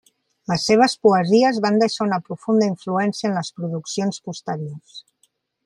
Les seves poesies van deixar una profunda influència en les produccions posteriors.